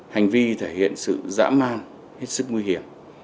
hành vi thể hiện sự dã man hết sức nguy hiểm